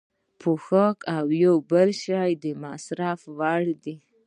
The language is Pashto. پوښاک او بل هر شی د مصرف وړ دی.